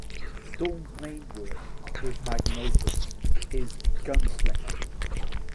Dorn's main work, his magnum opus, is "Gunslinger".